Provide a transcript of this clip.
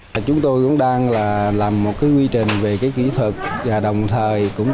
thành phố hồ chí minh hiện có gần một trăm linh tổ chức hợp tác xã câu lạc bộ và trang trại tư nhân